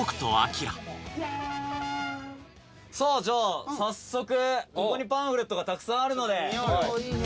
じゃあ早速ここにパンフレットがたくさんあるので。